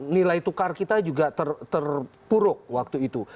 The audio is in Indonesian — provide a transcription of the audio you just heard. nilai tukar kita juga terpuruk waktu itu